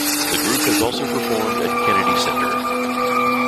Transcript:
The group has also performed at Kennedy Center.